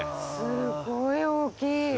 すごい大きい。